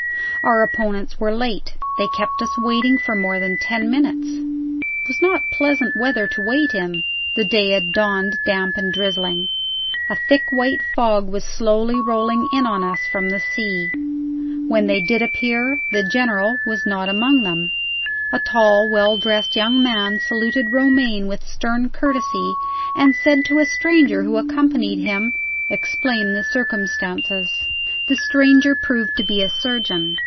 Our opponents were late. They kept us waiting for more than ten minutes. It was not pleasant weather to wait in. The day had dawned damp and drizzling. A thick white fog was slowly rolling in on us from the sea. When they did appear, the General was not among them. A tall, well dressed young man saluted Romayne with stern courtesy, and said to a stranger who accompanied him: "Explain the circumstances." The stranger proved to be a surgeon.